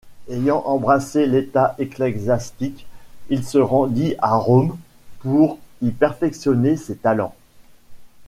Ayant embrassé l'état ecclésiastique, il se rendit à Rome pour y perfectionner ses talents.